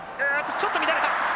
ちょっと乱れた！